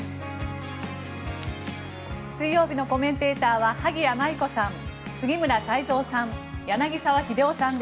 水曜日のコメンテーターは萩谷麻衣子さん、杉村太蔵さん